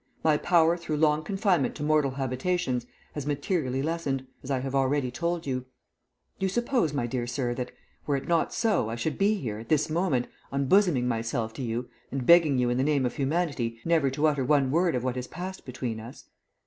"My power through long confinement to mortal habitations has materially lessened, as I have already told you. Do you suppose, my dear sir, that, were it not so, I should be here, at this moment, unbosoming myself to you, and begging you in the name of humanity never to utter one word of what has passed between us?